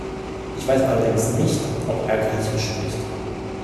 Ich weiß allerdings nicht, ob er griechisch spricht.